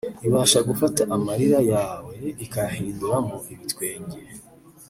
ibasha gufata amarira yawe ikayahinduramo ibitwenge